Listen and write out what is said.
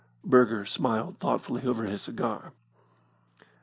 Burger smiled thoughtfully over his cigar.